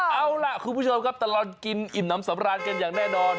เอาล่ะคุณผู้ชมครับตลอดกินอิ่มน้ำสำราญกันอย่างแน่นอน